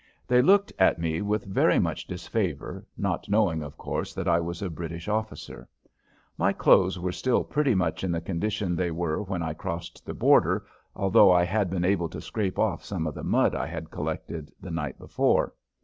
They looked at me with very much disfavor, not knowing, of course, that I was a British officer. My clothes were still pretty much in the condition they were when I crossed the border, although I had been able to scrape off some of the mud I had collected the night before.